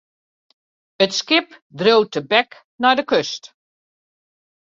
It skip dreau tebek nei de kust.